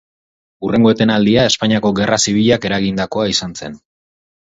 Hurrengo etenaldia Espainiako Gerra Zibilak eragindakoa izan zen.